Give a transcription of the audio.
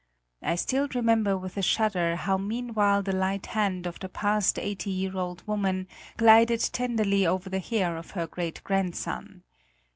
I still remember with a shudder how meanwhile the light hand of the past eighty year old woman glided tenderly over the hair of her great grandson.